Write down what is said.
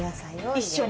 一緒に？